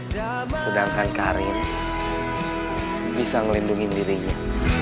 sedangkan karin bisa ngelindungi dirinya